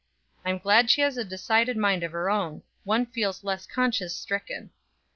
I'm glad she has a decided mind of her own; one feels less conscience stricken.